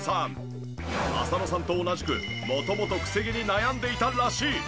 浅野さんと同じく元々クセ毛に悩んでいたらしい。